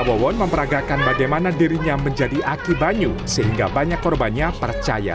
wawon memperagakan bagaimana dirinya menjadi aki banyu sehingga banyak korbannya percaya